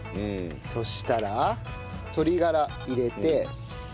そしたら鶏がら入れて。